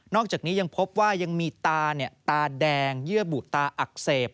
อกจากนี้ยังพบว่ายังมีตาตาแดงเยื่อบุตาอักเสบ